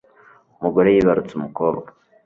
Umugore yibarutse umukobwa